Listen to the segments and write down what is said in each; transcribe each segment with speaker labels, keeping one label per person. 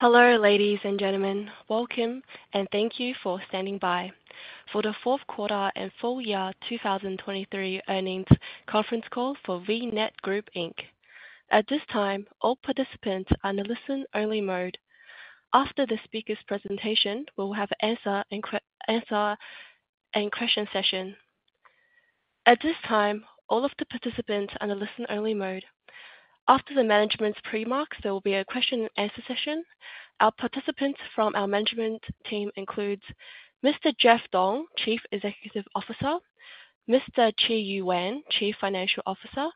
Speaker 1: Hello, ladies and gentlemen, welcome and thank you for standing by for the Fourth Quarter and Full Year 2023 Earnings Conference Call for VNET Group, Inc. At this time, all participants are in a listen-only mode. After the speaker's presentation, we will have an answer and question session. At this time, all of the participants are in a listen-only mode. After the management's remarks, there will be a question-and-answer session. Our participants from our management team include Mr. Jeff Dong, Chief Executive Officer, Mr. Qiyu Wang, Chief Financial Officer,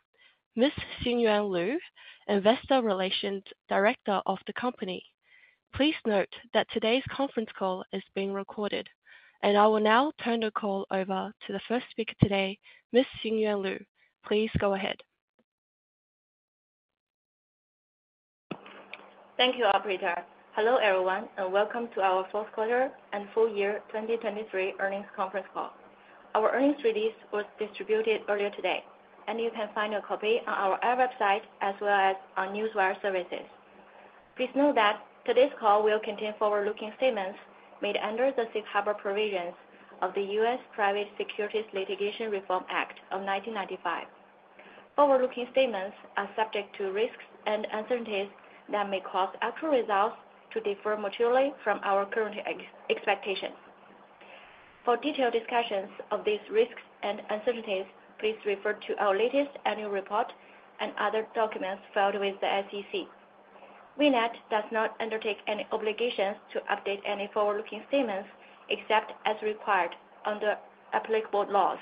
Speaker 1: Ms. Xinyuan Liu, Investor Relations Director of the company. Please note that today's conference call is being recorded, and I will now turn the call over to the first speaker today, Ms. Xinyuan Liu. Please go ahead.
Speaker 2: Thank you, Operator. Hello everyone, and welcome to our fourth quarter and full year 2023 earnings conference call. Our earnings release was distributed earlier today, and you can find a copy on our website as well as on newswire services. Please note that today's call will contain forward-looking statements made under the safe harbor provisions of the U.S. Private Securities Litigation Reform Act of 1995. Forward-looking statements are subject to risks and uncertainties that may cause actual results to differ materially from our current expectations. For detailed discussions of these risks and uncertainties, please refer to our latest annual report and other documents filed with the SEC. VNET does not undertake any obligations to update any forward-looking statements except as required under applicable laws.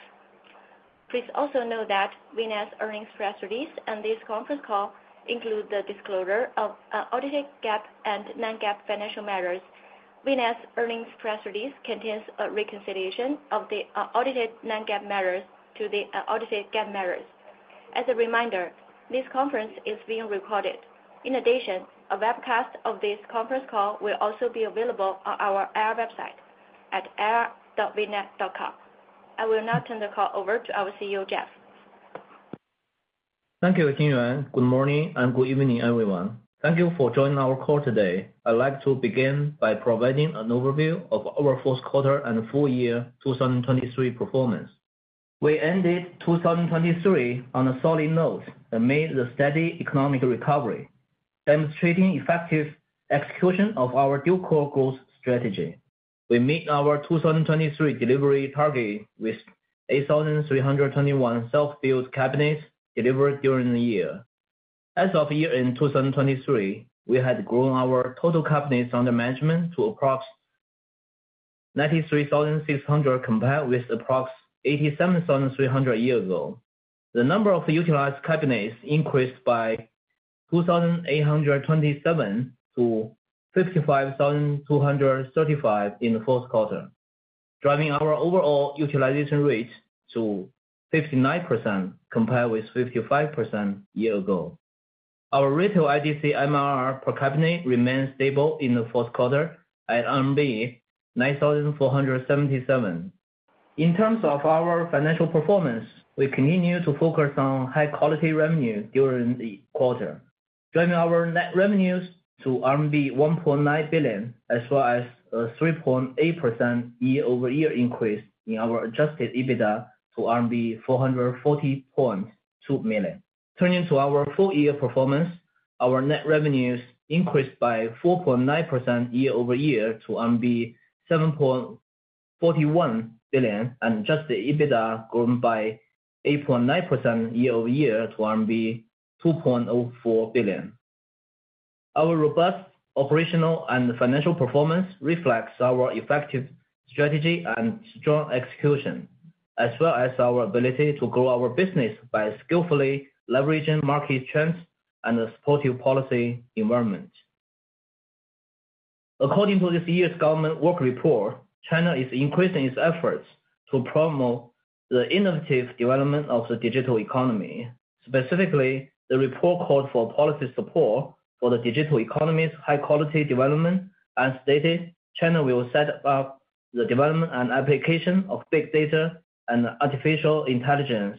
Speaker 2: Please also know that VNET's earnings press release and this conference call include the disclosure of audited GAAP and non-GAAP financial matters. VNET's earnings press release contains a reconciliation of the audited non-GAAP matters to the audited GAAP matters. As a reminder, this conference is being recorded. In addition, a webcast of this conference call will also be available on our website at ir.vnet.com. I will now turn the call over to our CEO, Jeff.
Speaker 3: Thank you, Xinyuan. Good morning and good evening, everyone. Thank you for joining our call today. I'd like to begin by providing an overview of our fourth quarter and full year 2023 performance. We ended 2023 on a solid note and made a steady economic recovery, demonstrating effective execution of our Dual-Core Strategy. We met our 2023 delivery target with 8,321 self-built cabinets delivered during the year. As of year-end 2023, we had grown our total cabinets under management to approximately 93,600 compared with approximately 87,300 a year ago. The number of utilized cabinets increased by 2,827 to 55,235 in the fourth quarter, driving our overall utilization rate to 59% compared with 55% a year ago. Our Retail IDC MRR per cabinet remained stable in the fourth quarter at RMB 9,477. In terms of our financial performance, we continue to focus on high-quality revenue during the quarter, driving our net revenues to RMB 1.9 billion as well as a 3.8% year-over-year increase in our Adjusted EBITDA to RMB 440.2 million. Turning to our full-year performance, our net revenues increased by 4.9% year-over-year to RMB 7.41 billion and Adjusted EBITDA grew by 8.9% year-over-year to RMB 2.04 billion. Our robust operational and financial performance reflects our effective strategy and strong execution, as well as our ability to grow our business by skillfully leveraging market trends and a supportive policy environment. According to this year's government work report, China is increasing its efforts to promote the innovative development of the digital economy. Specifically, the report called for policy support for the digital economy's high-quality development and stated China will set up the development and application of big data and artificial intelligence,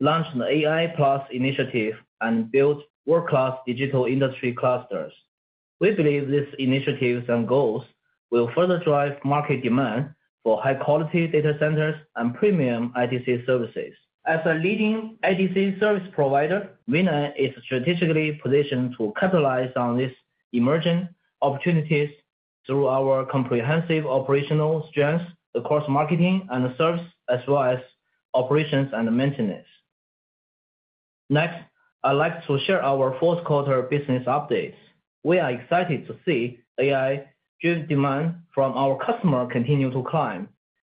Speaker 3: launch the AI+ initiative, and build world-class digital industry clusters. We believe these initiatives and goals will further drive market demand for high-quality data centers and premium IDC services. As a leading IDC service provider, VNET is strategically positioned to capitalize on these emerging opportunities through our comprehensive operational strengths across marketing and service as well as operations and maintenance. Next, I'd like to share our fourth quarter business updates. We are excited to see AI-driven demand from our customers continue to climb,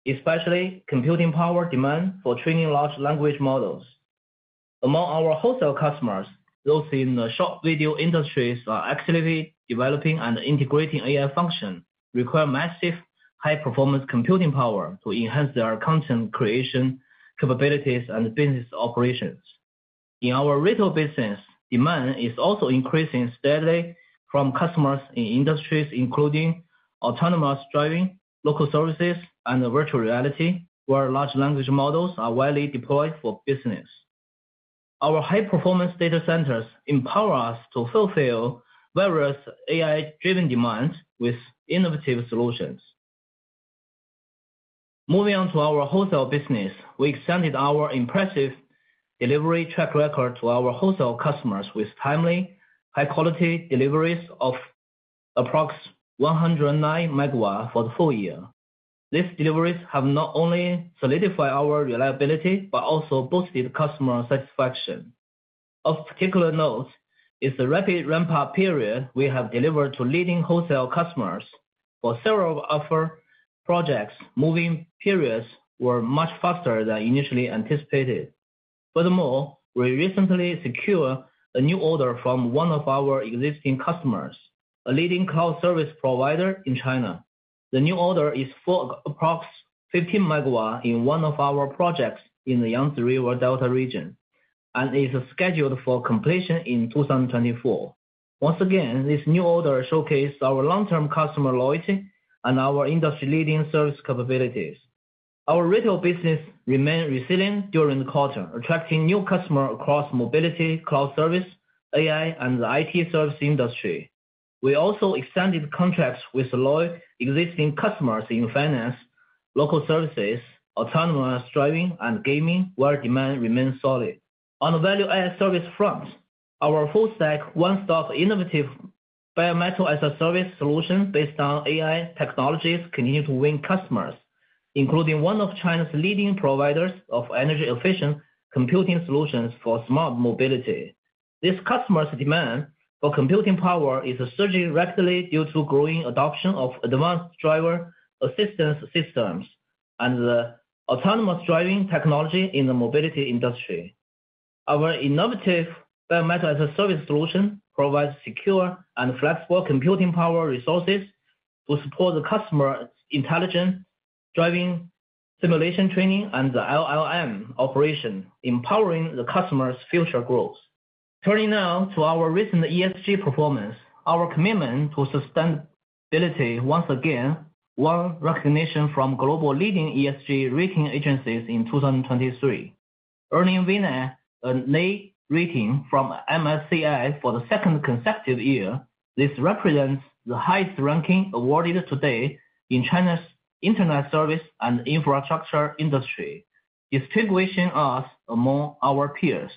Speaker 3: especially computing power demand for training large language models. Among our wholesale customers, those in the short video industries are actively developing and integrating AI functions, requiring massive, high-performance computing power to enhance their content creation capabilities and business operations. In our retail business, demand is also increasing steadily from customers in industries including autonomous driving, local services, and virtual reality, where large language models are widely deployed for business. Our high-performance data centers empower us to fulfill various AI-driven demands with innovative solutions. Moving on to our wholesale business, we extended our impressive delivery track record to our wholesale customers with timely, high-quality deliveries of approximately 109 MW for the full year. These deliveries have not only solidified our reliability but also boosted customer satisfaction. Of particular note is the rapid ramp-up period we have delivered to leading wholesale customers for several of our projects, move-in periods were much faster than initially anticipated. Furthermore, we recently secured a new order from one of our existing customers, a leading cloud service provider in China. The new order is for approximately 15 MW in one of our projects in the Yangtze River Delta region and is scheduled for completion in 2024. Once again, this new order showcases our long-term customer loyalty and our industry-leading service capabilities. Our retail business remained resilient during the quarter, attracting new customers across mobility, cloud service, AI, and the IT service industry. We also extended contracts with loyal existing customers in finance, local services, autonomous driving, and gaming where demand remained solid. On the value-added service front, our full-stack one-stop innovative Bare Metal as a Service solution based on AI technologies continues to win customers, including one of China's leading providers of energy-efficient computing solutions for smart mobility. These customers' demand for computing power is surging rapidly due to growing adoption of advanced driver assistance systems and autonomous driving technology in the mobility industry. Our innovative Bare Metal as a Service solution provides secure and flexible computing power resources to support the customer's intelligent driving simulation training and the LLM operation, empowering the customer's future growth. Turning now to our recent ESG performance, our commitment to sustainability once again won recognition from global leading ESG rating agencies in 2023. Earning VNET an A rating from MSCI for the second consecutive year, this represents the highest ranking awarded today in China's internet service and infrastructure industry, distinguishing us among our peers.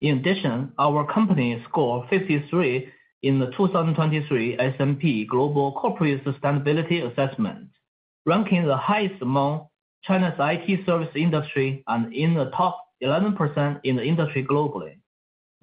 Speaker 3: In addition, our company scored 53 in the 2023 S&P Global Corporate Sustainability Assessment, ranking the highest among China's IT service industry and in the top 11% in the industry globally.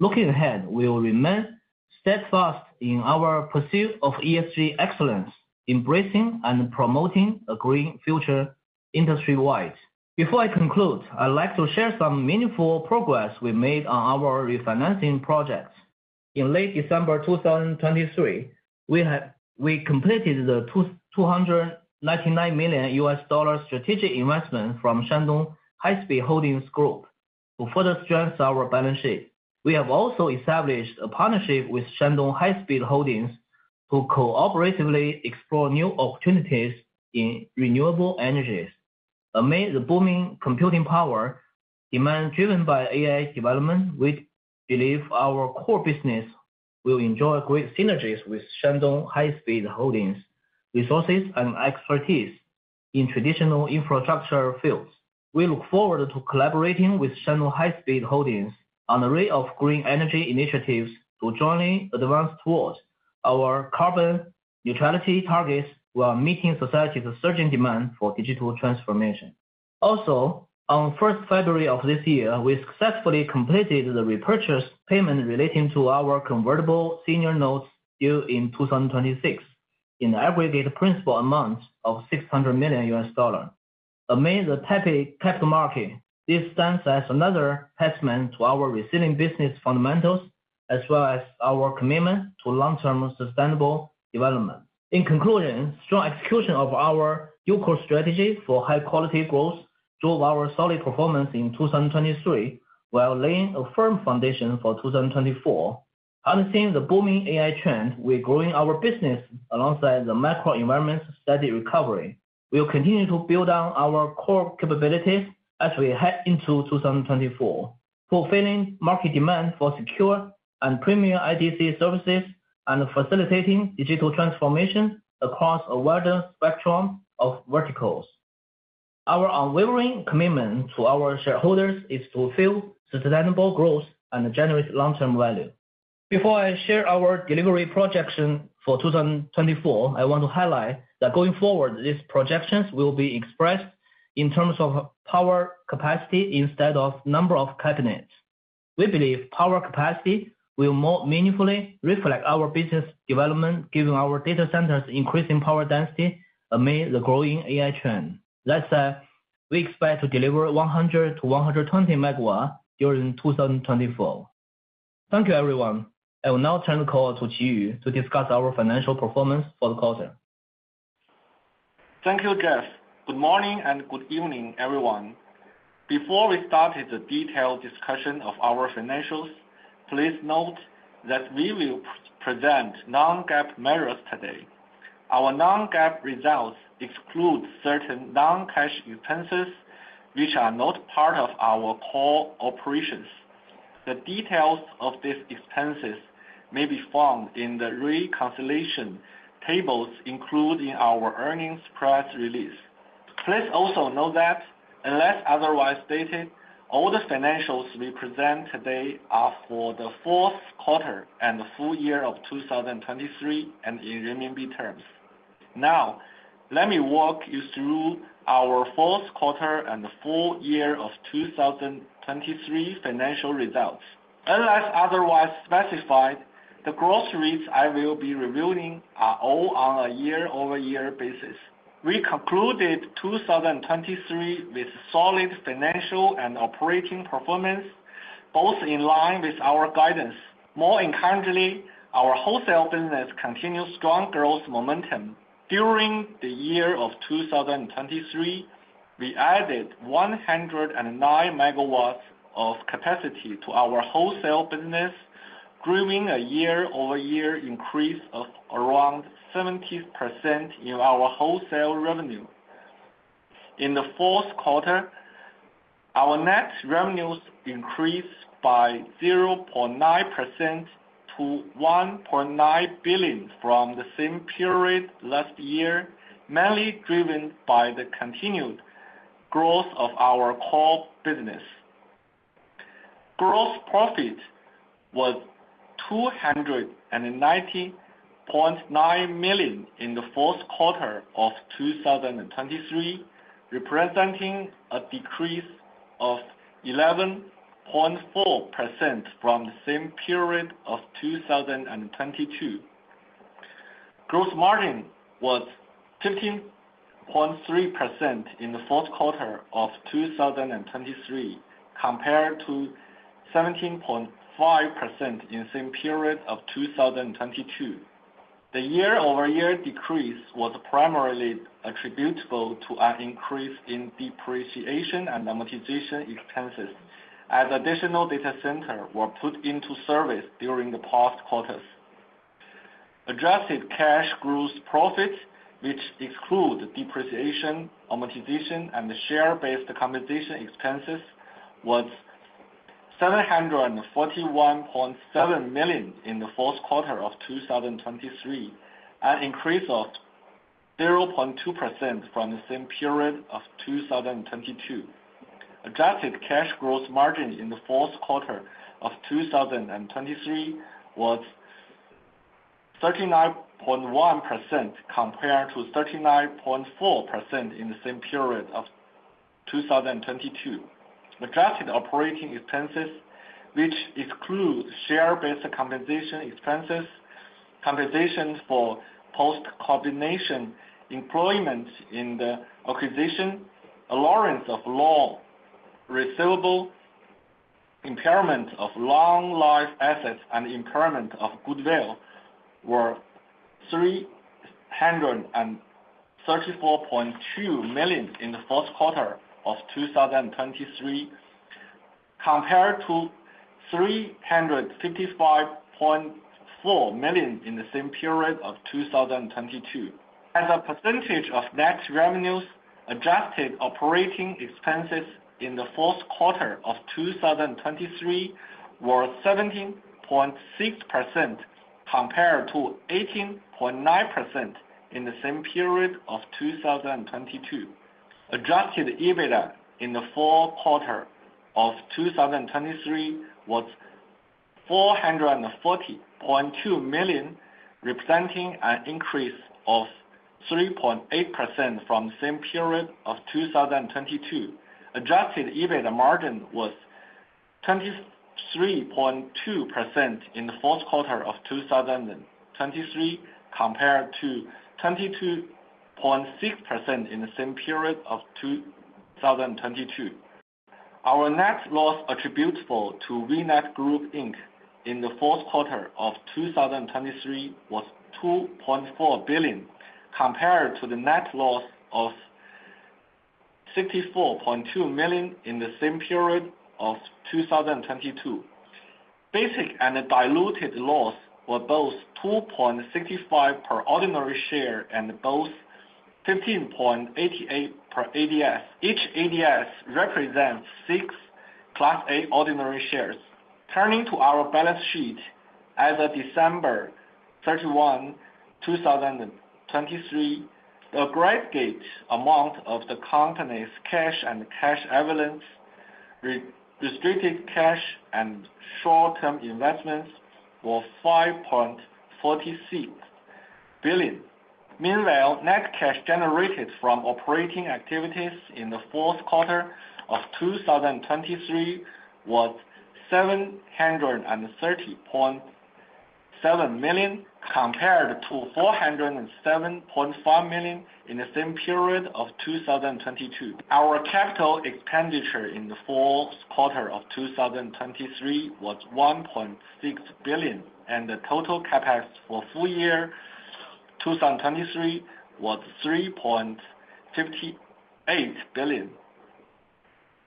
Speaker 3: Looking ahead, we will remain steadfast in our pursuit of ESG excellence, embracing and promoting a green future industry-wide. Before I conclude, I'd like to share some meaningful progress we made on our refinancing projects. In late December 2023, we completed the $299 million strategic investment from Shandong Hi-Speed Holdings Group to further strengthen our balance sheet. We have also established a partnership with Shandong Hi-Speed Holdings to cooperatively explore new opportunities in renewable energies. Amid the booming computing power demand driven by AI development, we believe our core business will enjoy great synergies with Shandong Hi-Speed Holdings' resources and expertise in traditional infrastructure fields. We look forward to collaborating with Shandong Hi-Speed Holdings on a range of green energy initiatives to jointly advance towards our carbon neutrality targets while meeting society's surging demand for digital transformation. Also, on 1 February 2024, we successfully completed the repurchase payment relating to our convertible senior notes due in 2026 in aggregate principal amount of $600 million. Amid the heavy capital market, this stands as another testament to our resilient business fundamentals as well as our commitment to long-term sustainable development. In conclusion, strong execution of our Dual-Core Strategy for high-quality growth drove our solid performance in 2023 while laying a firm foundation for 2024. Harnessing the booming AI trend, we're growing our business alongside the macro-environment's steady recovery. We'll continue to build on our core capabilities as we head into 2024, fulfilling market demand for secure and premium IDC services and facilitating digital transformation across a wider spectrum of verticals. Our unwavering commitment to our shareholders is to fulfill sustainable growth and generate long-term value. Before I share our delivery projections for 2024, I want to highlight that going forward, these projections will be expressed in terms of power capacity instead of number of cabinets. We believe power capacity will more meaningfully reflect our business development, given our data centers' increasing power density amid the growing AI trend. That said, we expect to deliver 100-120 MW during 2024. Thank you, everyone. I will now turn the call to Qiyu to discuss our financial performance for the quarter.
Speaker 4: Thank you, Jeff. Good morning and good evening, everyone. Before we start the detailed discussion of our financials, please note that we will present non-GAAP matters today. Our non-GAAP results exclude certain non-cash expenses, which are not part of our core operations. The details of these expenses may be found in the reconciliation tables included in our earnings press release. Please also know that, unless otherwise stated, all the financials we present today are for the fourth quarter and the full year of 2023 and in RMB terms. Now, let me walk you through our fourth quarter and the full year of 2023 financial results. Unless otherwise specified, the growth rates I will be reviewing are all on a year-over-year basis. We concluded 2023 with solid financial and operating performance, both in line with our guidance. More encouragingly, our wholesale business continues strong growth momentum. During the year of 2023, we added 109 MW of capacity to our wholesale business, representing approximately 70% year-over-year growth in our wholesale revenue. In the fourth quarter, our net revenues increased by 0.9% to 1.9 billion from the same period last year, mainly driven by the continued growth of our core business. Gross profit was 290.9 million in the fourth quarter of 2023, representing a decrease of 11.4% from the same period of 2022. Gross margin was 15.3% in the fourth quarter of 2023 compared to 17.5% in the same period of 2022. The year-over-year decrease was primarily attributable to an increase in depreciation and amortization expenses as additional data centers were put into service during the past quarters. Adjusted cash gross profit, which excluded depreciation, amortization, and share-based compensation expenses, was 741.7 million in the fourth quarter of 2023, an increase of 0.2% from the same period of 2022. Adjusted cash gross margin in the fourth quarter of 2023 was 39.1% compared to 39.4% in the same period of 2022. Adjusted operating expenses, which exclude share-based compensation expenses, compensation for post-combination employment in the acquisition, allowance for credit losses, receivable impairment, impairment of long-lived assets, and impairment of goodwill, were 334.2 million in the first quarter of 2023 compared to 355.4 million in the same period of 2022. As a percentage of net revenues, adjusted operating expenses in the fourth quarter of 2023 were 17.6% compared to 18.9% in the same period of 2022. Adjusted EBITDA in the fourth quarter of 2023 was 440.2 million, representing an increase of 3.8% from the same period of 2022. Adjusted EBITDA margin was 23.2% in the fourth quarter of 2023 compared to 22.6% in the same period of 2022. Our net loss attributable to VNET Group, Inc., in the fourth quarter of 2023 was 2.4 billion compared to the net loss of 64.2 million in the same period of 2022. Basic and diluted loss were both 2.65 per ordinary share and both 15.88 per ADS. Each ADS represents six Class A ordinary shares. Turning to our balance sheet, as of December 31, 2023, the aggregate amount of the company's cash and cash equivalents, restricted cash, and short-term investments was 5.46 billion. Meanwhile, net cash generated from operating activities in the fourth quarter of 2023 was 730.7 million compared to 407.5 million in the same period of 2022. Our CapEx in the fourth quarter of 2023 was 1.6 billion, and the total CapEx for full year 2023 was 3.58 billion.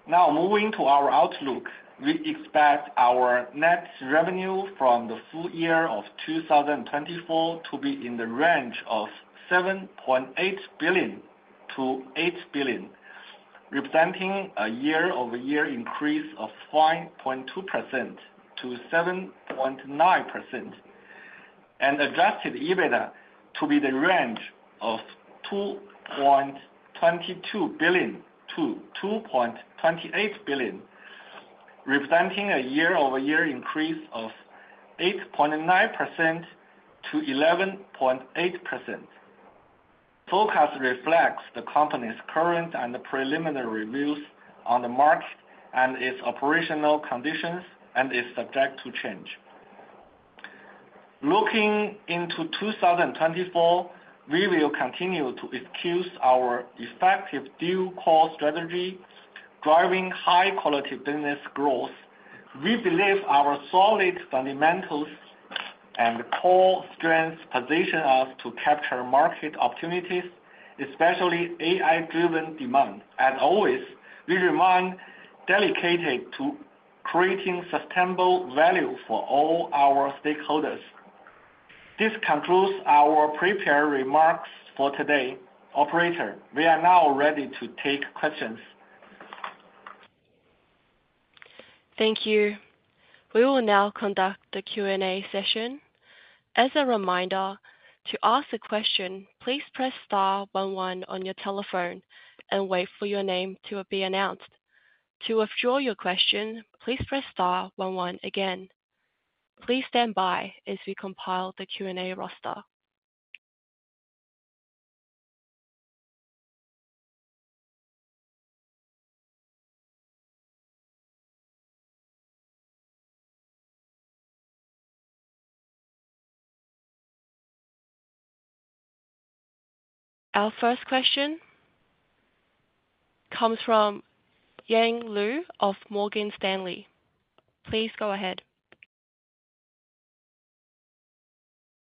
Speaker 4: Now, moving to our outlook, we expect our net revenue from the full year of 2024 to be in the range of 7.8 billion-8.0 billion, representing a year-over-year increase of 5.2%-7.9%. Adjusted EBITDA to be in the range of 2.22 billion-2.28 billion, representing a year-over-year increase of 8.9%-11.8%. Forecast reflects the company's current and preliminary views on the market and its operational conditions and is subject to change. Looking into 2024, we will continue to execute our effective Dual-Core Strategy, driving high-quality business growth. We believe our solid fundamentals and core strengths position us to capture market opportunities, especially AI-driven demand. As always, we remain dedicated to creating sustainable value for all our stakeholders. This concludes our prepared remarks for today. Operator, we are now ready to take questions.
Speaker 1: Thank you. We will now conduct the Q&A session. As a reminder, to ask a question, please press star one one on your telephone and wait for your name to be announced. To withdraw your question, please press star one one again. Please stand by as we compile the Q&A roster. Our first question comes from Yang Liu of Morgan Stanley. Please go ahead.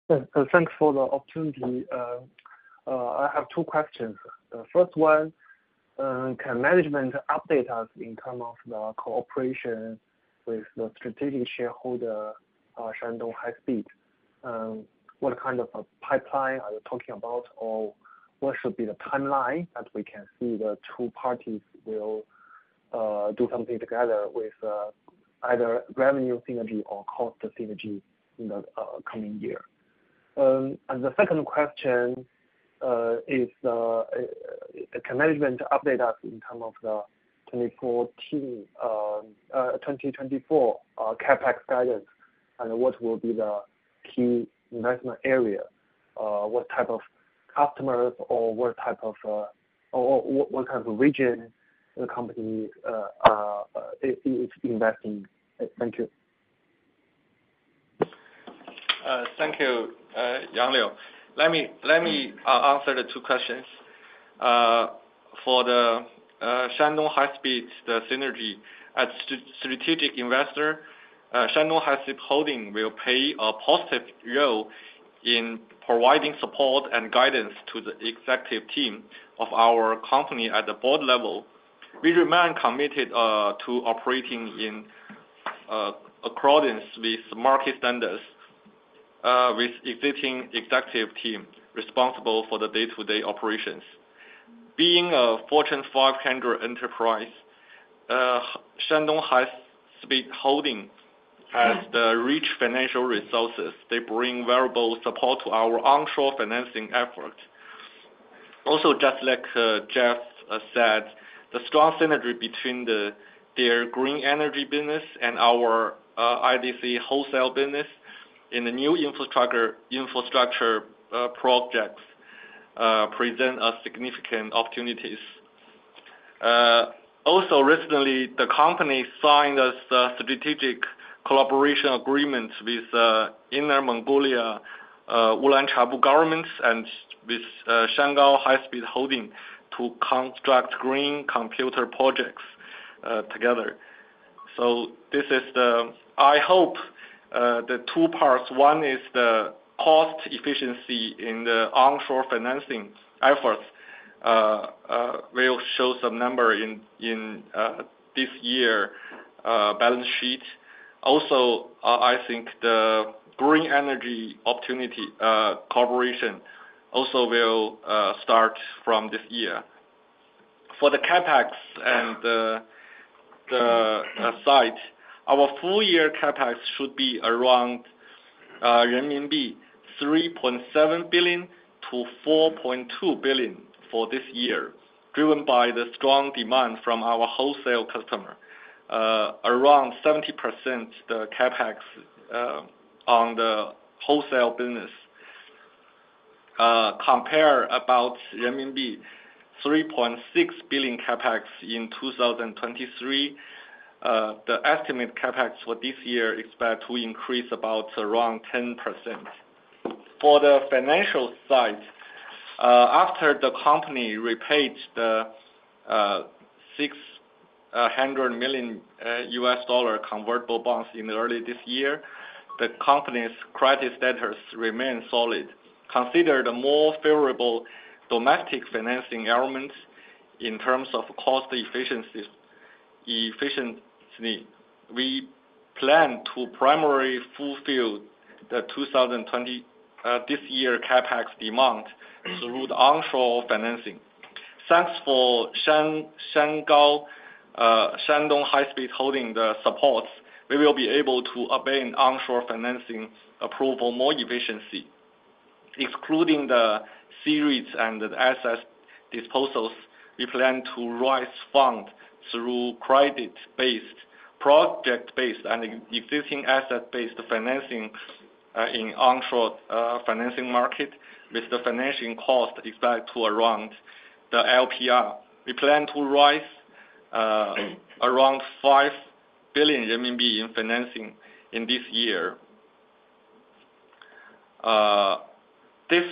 Speaker 5: Thanks for the opportunity. I have two questions. First one, can management update us in terms of the cooperation with the strategic shareholder, Shandong Hi-Speed? What kind of a pipeline are you talking about, or what should be the timeline that we can see the two parties will do something together with either revenue synergy or cost synergy in the coming year? The second question is, can management update us in terms of the 2024 CapEx guidance, and what will be the key investment area? What type of customers or what type of region the company is investing? Thank you.
Speaker 4: Thank you, Yang Liu. Let me answer the two questions. For Shandong Hi-Speed, the synergy, as a strategic investor, Shandong Hi-Speed Holdings will play a positive role in providing support and guidance to the executive team of our company at the board level. We remain committed to operating in accordance with market standards with the existing executive team responsible for the day-to-day operations. Being a Fortune 500 enterprise, Shandong Hi-Speed Holdings has rich financial resources. They bring valuable support to our onshore financing efforts. Also, just like Jeff said, the strong synergy between their green energy business and our IDC wholesale business in the new infrastructure projects presents significant opportunities. Also, recently, the company signed a strategic collaboration agreement with Inner Mongolia Ulanqab Government and with Shandong Hi-Speed Holdings to construct green computer projects together. So I hope the two parts, one is the cost efficiency in the onshore financing efforts, will show some number in this year's balance sheet. Also, I think the green energy opportunity collaboration also will start from this year. For the CapEx and the site, our full-year CapEx should be around 3.7 billion-4.2 billion renminbi for this year, driven by the strong demand from our wholesale customer, around 70% of the CapEx on the wholesale business compared to about renminbi 3.6 billion CapEx in 2023. The estimated CapEx for this year is expected to increase about around 10%. For the financial side, after the company repaid the $600 million convertible bonds in early this year, the company's credit status remains solid. Considered a more favorable domestic financing element in terms of cost efficiency, we plan to primarily fulfill this year's CapEx demand through the onshore financing. Thanks to Shandong Hi-Speed Holdings' support, we will be able to obtain onshore financing approval more efficiently. Excluding the C-REITs and the asset disposals, we plan to raise funds through credit-based, project-based, and existing asset-based financing in the onshore financing market with the financing cost expected to be around the LPR. We plan to raise around 5 billion RMB in financing in this year. This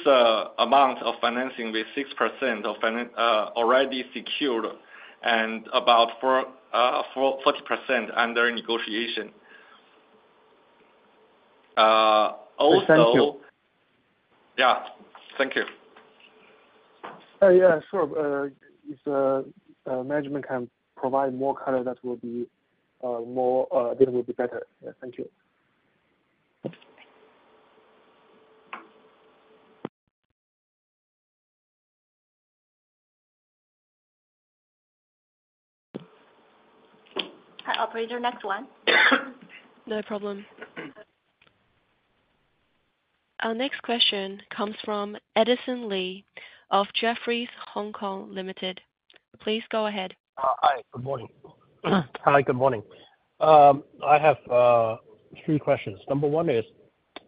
Speaker 4: amount of financing, with 60% already secured and about 40% under negotiation. Also.
Speaker 5: Thank you.
Speaker 4: Yeah. Thank you.
Speaker 5: Yeah. Sure. If management can provide more color, that will be more, this will be better. Yeah. Thank you.
Speaker 1: Hi, Operator. Next one. No problem. Our next question comes from Edison Lee of Jefferies Hong Kong Limited. Please go ahead.
Speaker 6: Hi. Good morning. Hi. Good morning. I have 3 questions. Number 1 is,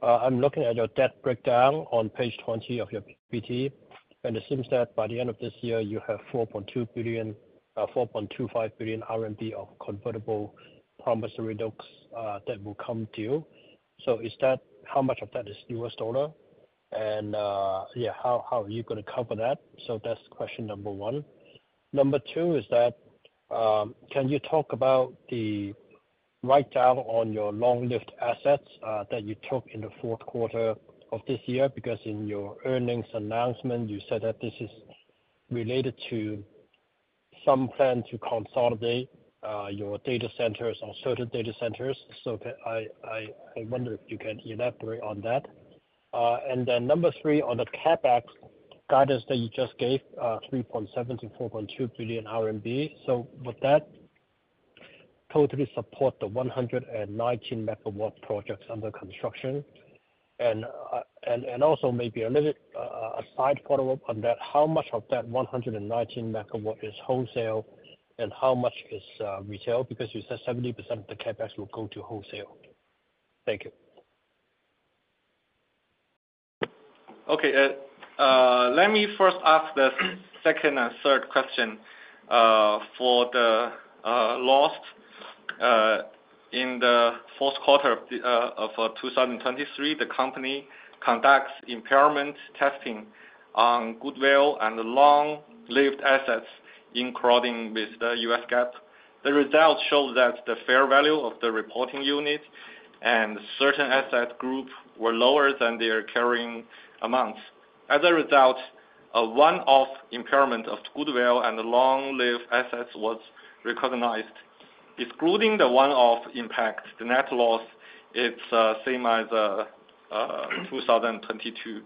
Speaker 6: I'm looking at your debt breakdown on page 20 of your PPT, and it seems that by the end of this year, you have 4.25 billion RMB of convertible promissory notes that will come due. So how much of that is U.S. dollar? And yeah, how are you going to cover that? So that's question number 1. Number 2 is that, can you talk about the write-down on your long-lived assets that you took in the fourth quarter of this year? Because in your earnings announcement, you said that this is related to some plan to consolidate your data centers or certain data centers. So I wonder if you can elaborate on that. Then number 3, on the CapEx guidance that you just gave, 3.7 billion-4.2 billion RMB, so would that totally support the 119-MW projects under construction? And also maybe a little bit a side follow-up on that, how much of that 119 MW is wholesale and how much is retail? Because you said 70% of the CapEx will go to wholesale. Thank you.
Speaker 4: Okay. Let me first ask the second and third question. For the loss in the fourth quarter of 2023, the company conducts impairment testing on goodwill and long-lived assets in accordance with the U.S. GAAP. The results show that the fair value of the reporting unit and certain asset groups were lower than their carrying amounts. As a result, one-off impairment of goodwill and long-lived assets was recognized. Excluding the one-off impact, the net loss, it's the same as 2022.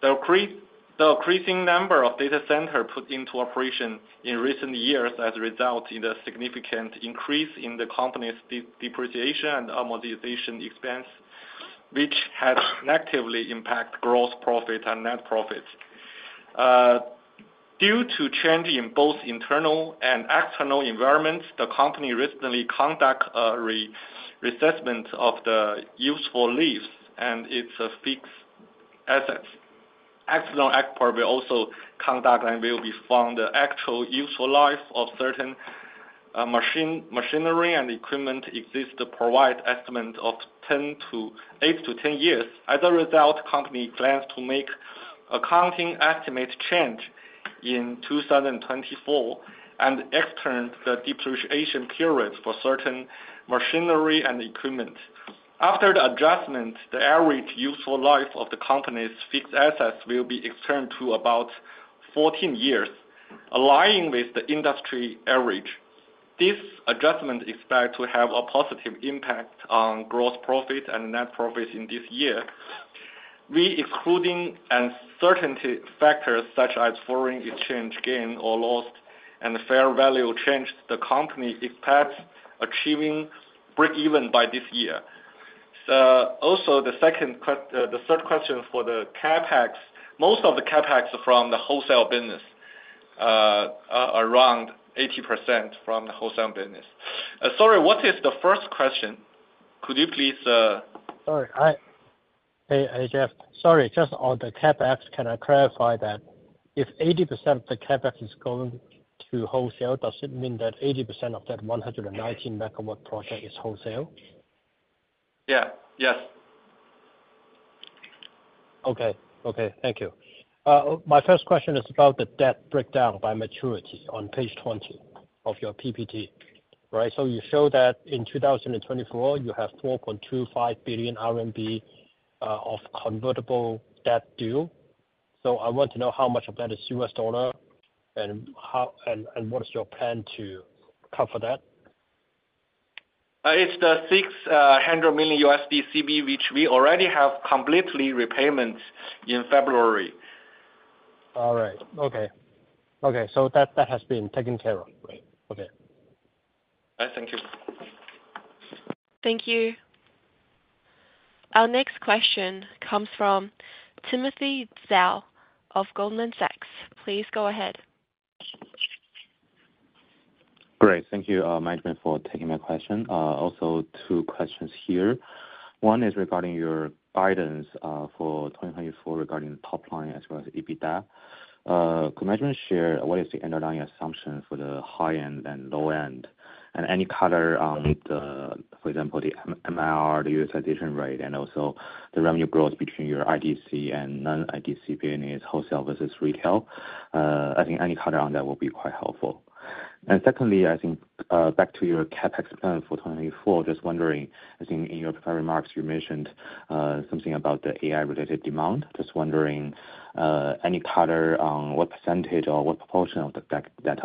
Speaker 4: The increasing number of data centers put into operation in recent years has resulted in a significant increase in the company's depreciation and amortization expense, which has negatively impacted gross profit and net profit. Due to change in both internal and external environments, the company recently conducted a reassessment of the useful lives and its fixed assets. External experts will also conduct and will confirm the actual useful life of certain machinery and equipment is estimated to be 8-10 years. As a result, the company plans to make an accounting estimate change in 2024 and extend the depreciation period for certain machinery and equipment. After the adjustment, the average useful life of the company's fixed assets will be extended to about 14 years, aligning with the industry average. This adjustment is expected to have a positive impact on gross profit and net profit in this year. Excluding uncertainty factors such as foreign exchange gain or loss and fair value change, the company expects to achieve break-even in 2024. Also, the third question for the CapEx, most of the CapEx is from the wholesale business, around 80% from the wholesale business. Sorry, what is the first question? Could you please.
Speaker 6: Sorry. Hey, Jeff. Sorry, just on the CapEx, can I clarify that if 80% of the CapEx is going to wholesale, does it mean that 80% of that 119-MW project is wholesale?
Speaker 4: Yeah. Yes.
Speaker 6: Okay. Okay. Thank you. My first question is about the debt breakdown by maturity on page 20 of your PPT, right? You show that in 2024, you have 4.25 billion RMB of convertible debt due. I want to know how much of that is U.S. dollar and what is your plan to cover that?
Speaker 4: It's the $600 million CB, which we already have completely repayment in February.
Speaker 6: All right. Okay. Okay. So that has been taken care of, right? Okay.
Speaker 4: Thank you.
Speaker 1: Thank you. Our next question comes from Timothy Zhao of Goldman Sachs. Please go ahead.
Speaker 7: Great. Thank you, management, for taking my question. Also, two questions here. One is regarding your guidance for 2024 regarding the top line as well as EBITDA. Could management share what is the underlying assumption for the high-end and low-end and any color on, for example, the MRR, the utilization rate, and also the revenue growth between your IDC and non-IDC business, wholesale versus retail? I think any color on that will be quite helpful. And secondly, I think back to your CapEx plan for 2024, just wondering, I think in your primary remarks, you mentioned something about the AI-related demand. Just wondering, any color on what percentage or what proportion of the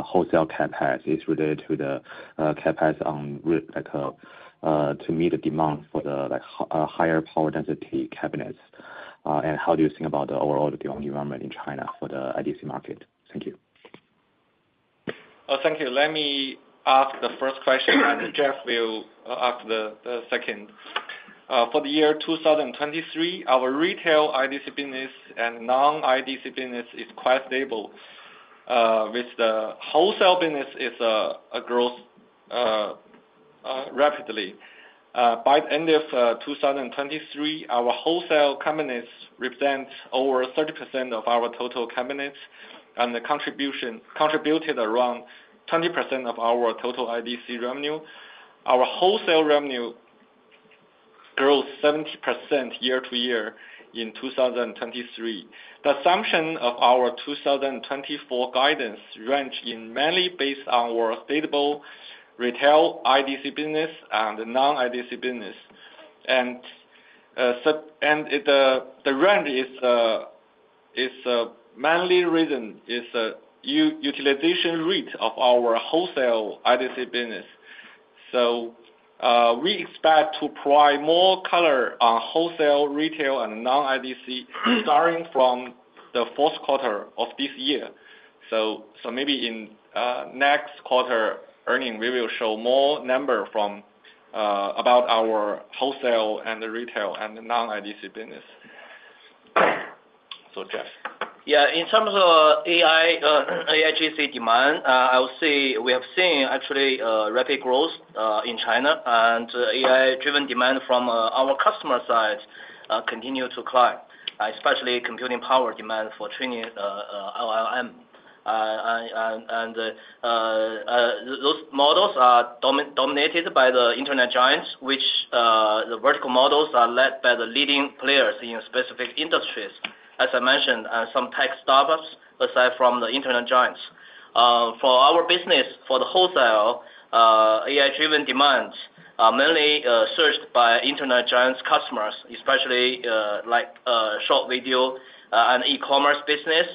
Speaker 7: wholesale CapEx is related to the CapEx to meet the demand for the higher power density cabinets? And how do you think about the overall demand environment in China for the IDC market? Thank you.
Speaker 4: Thank you. Let me ask the first question, and Jeff will ask the second. For the year 2023, our retail IDC business and non-IDC business is quite stable, with the wholesale business growing rapidly. By the end of 2023, our wholesale cabinets represent over 30% of our total cabinets and contributed around 20% of our total IDC revenue. Our wholesale revenue grew 70% year-over-year in 2023. The assumption of our 2024 guidance ranged mainly based on our stable retail IDC business and non-IDC business. The range is mainly written as the utilization rate of our wholesale IDC business. We expect to provide more color on wholesale, retail, and non-IDC starting from the fourth quarter of this year. Maybe in the next quarter, earnings will show more numbers about our wholesale and retail and non-IDC business. So, Jeff.
Speaker 3: Yeah. In terms of AIGC demand, I would say we have seen, actually, rapid growth in China, and AI-driven demand from our customer side continues to climb, especially computing power demand for training LLM. And those models are dominated by the internet giants, which the vertical models are led by the leading players in specific industries, as I mentioned, and some tech startups aside from the internet giants. For our business, for the wholesale, AI-driven demands are mainly surged by internet giants' customers, especially short video and e-commerce business.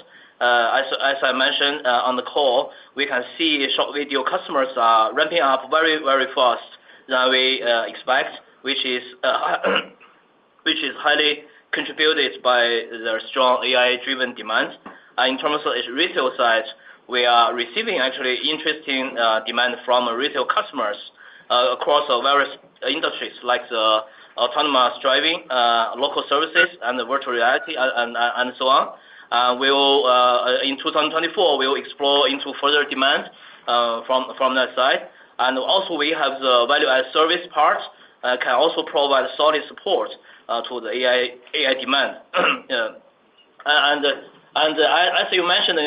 Speaker 3: As I mentioned on the call, we can see short video customers are ramping up very, very fast than we expect, which is highly contributed by their strong AI-driven demand. In terms of retail side, we are receiving, actually, interesting demand from retail customers across various industries like autonomous driving, local services, and virtual reality, and so on. In 2024, we will explore into further demand from that side. Also, we have the value-added service part that can also provide solid support to the AI demand. As you mentioned,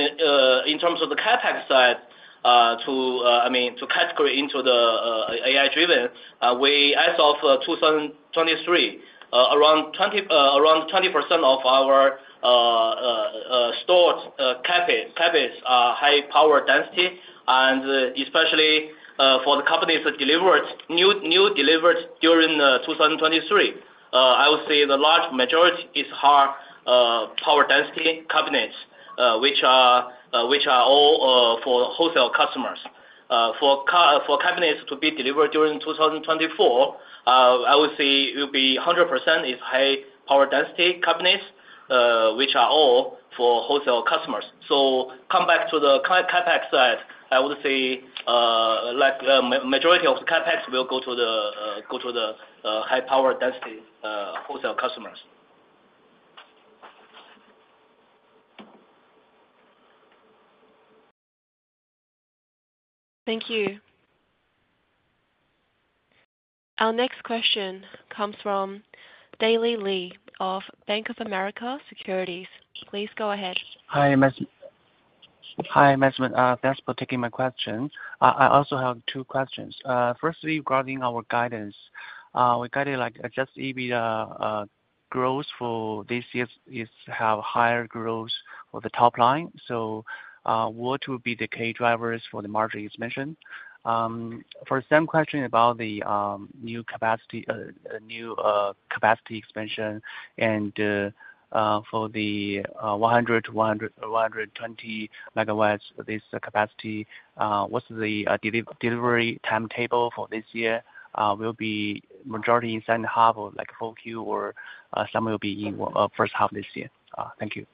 Speaker 3: in terms of the CapEx side, I mean, to categorize into the AI-driven, as of 2023, around 20% of our stored cabinets are high-power density. And especially for the newly delivered during 2023, I would say the large majority is high-power density cabinets, which are all for wholesale customers. For cabinets to be delivered during 2024, I would say it will be 100% high-power density cabinets, which are all for wholesale customers. Coming back to the CapEx side, I would say the majority of the CapEx will go to the high-power density wholesale customers.
Speaker 1: Thank you. Our next question comes from Daley Li of Bank of America Securities. Please go ahead.
Speaker 8: Hi, management. Thanks for taking my question. I also have two questions. Firstly, regarding our guidance, we guided just EBITDA growth for this year to have higher growth for the top line. So what will be the key drivers for the margin expansion? For the same question about the new capacity expansion and for the 100-120 MW, this capacity, what's the delivery timetable for this year? Will the majority in the second half, like 4Q, or some will be in the first half this year? Thank you.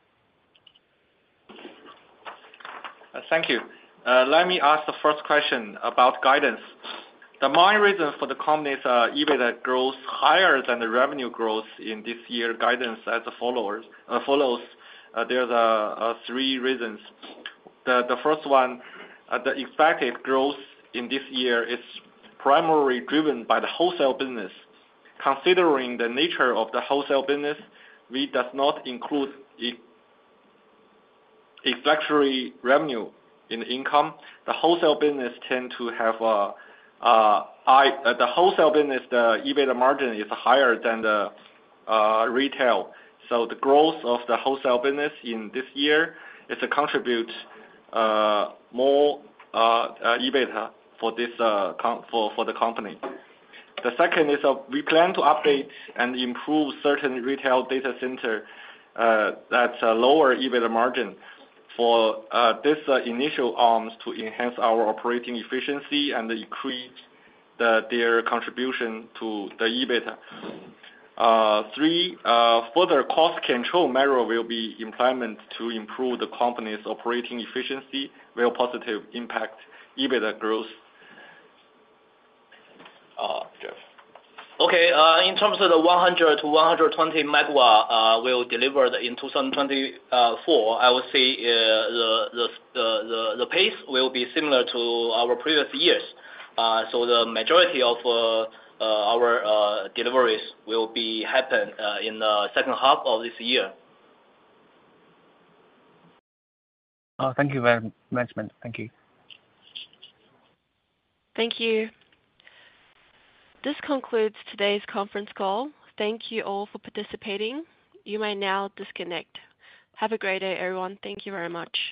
Speaker 4: Thank you. Let me ask the first question about guidance. The main reason for the company's EBITDA growth higher than the revenue growth in this year guidance as follows: there are three reasons. The first one, the expected growth in this year is primarily driven by the wholesale business. Considering the nature of the wholesale business, we do not include electricity revenue in income. The wholesale business tends to have, the EBITDA margin is higher than the retail. So the growth of the wholesale business in this year contributes more EBITDA for the company. The second is we plan to update and improve certain retail data centers at a lower EBITDA margin for these initiatives to enhance our operating efficiency and increase their contribution to the EBITDA. Three, further cost control measures will be implemented to improve the company's operating efficiency, which will positively impact EBITDA growth. Jeff.
Speaker 3: Okay. In terms of the 100-120 MW we'll deliver in 2024, I would say the pace will be similar to our previous years. So the majority of our deliveries will happen in the second half of this year.
Speaker 8: Thank you very much, management. Thank you.
Speaker 1: Thank you. This concludes today's conference call. Thank you all for participating. You may now disconnect. Have a great day, everyone. Thank you very much.